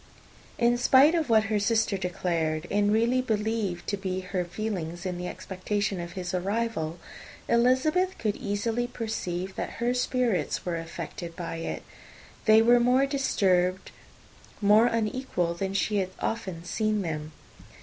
In spite of what her sister declared, and really believed to be her feelings, in the expectation of his arrival, Elizabeth could easily perceive that her spirits were affected by it. They were more disturbed, more unequal, than she had often seen them.